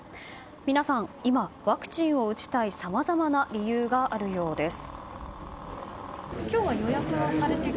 皆さん、今ワクチンを打ちたいさまざまな理由があるようです。